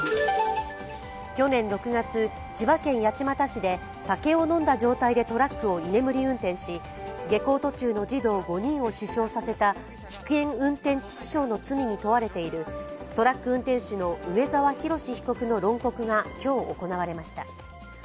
去年６月、千葉県八街市で酒を飲んだ状態でトラックを居眠り運転し下校途中の児童５人を死傷させた危険運転致死傷の罪に問われているトラック運転手の梅沢洋被告の論告が今日、行われました。